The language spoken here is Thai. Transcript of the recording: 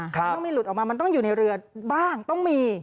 มันต้องมีหลุดออกมามันต้องอยู่ในเรือบ้างต้องมี